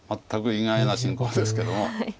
全く意外な進行ですけども。